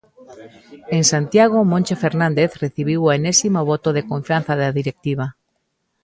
En Santiago Moncho Fernández recibiu o enésimo voto de confianza da directiva.